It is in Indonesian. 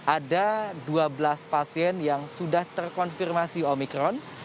ada dua belas pasien yang sudah terkonfirmasi omikron